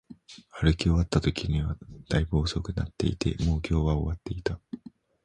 歩き終わったときは、大分遅くなっていて、もう今日は終わっていた